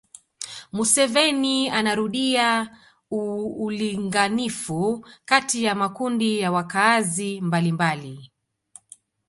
Museveni anarudia ulinganifu kati ya makundi ya wakaazi mbalimbali